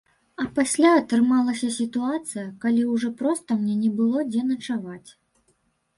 А пасля атрымалася сітуацыя, калі ўжо проста мне не было дзе начаваць.